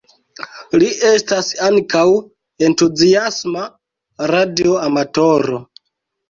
Li estas ankaŭ entuziasma radio amatoro.